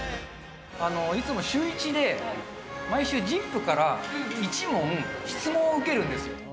いつもシューイチで、毎週ＺＩＰ！から１問、質問を受けるんですよ。